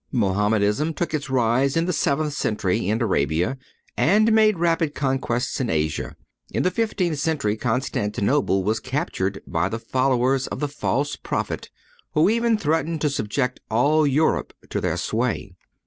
(105) Mohamedanism took its rise in the seventh century in Arabia, and made rapid conquests in Asia. In the fifteenth century Constantinople was captured by the followers of the false prophet, who even threatened to subject all Europe to their sway.